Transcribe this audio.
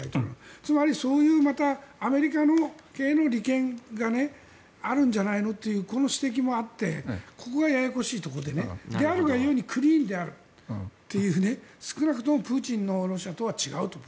つまり、そういうアメリカ系の利権があるんじゃないのという指摘もあってここがややこしいところでであるが故にクリーンであるという少なくともプーチンの路線とは違うという。